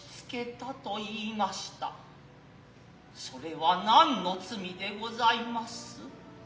それは何の罪でございます。